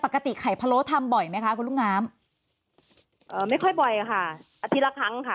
ปกติไข่พะโล้ทำบ่อยไหมคะคุณลุงน้ำเอ่อไม่ค่อยบ่อยค่ะอาทิตย์ละครั้งค่ะ